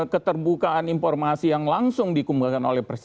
keterbukaan informasi yang langsung dikunggahkan antras